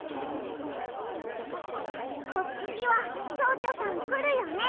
きっとつぎはチョウチョさんくるよね。